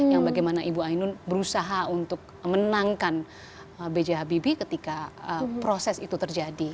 yang bagaimana ibu ainun berusaha untuk menangkan b j habibie ketika proses itu terjadi